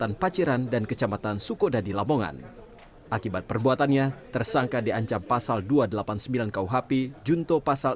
ini modusnya korban ini diminta untuk menjadi endos